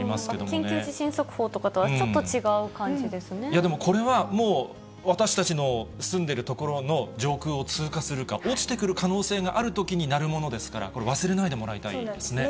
緊急地震速報とかとはちょっでもこれは、もう私たちの住んでいる所の上空を通過するか、落ちてくる可能性があるときに鳴るものですから、これ、忘れないでもらいたいですね。